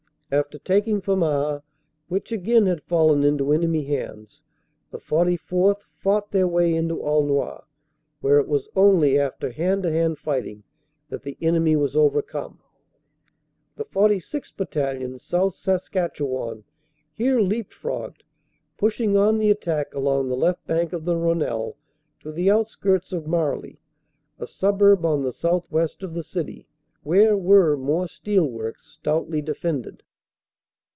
After taking Famars which again had fallen into enemy hands the 44th. fought their way into Aulnoy, where it was only after hand to hand fighting that the enemy was overcome. The 46th. Battalion, South Saskatchewan, here leap frogged, pushing on the attack along the left bank of the Rhonelle to the outskirts of Marly, a suburb on the southwest of the city, where were more steel works, stoutly defended.